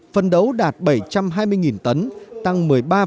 phấn đấu đạt bảy trăm hai mươi tấn tăng một mươi ba một